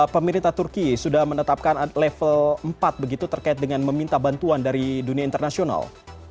pemerintah turki sudah menetapkan level empat begitu terkait dengan meminta bantuan dari dunia internasional